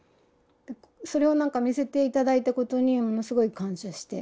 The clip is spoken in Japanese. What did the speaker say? それをなんか見せて頂いたことにものすごい感謝して。